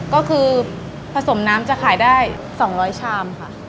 ก็คือผสมน้ำจะขายได้๒๐๐ชามค่ะ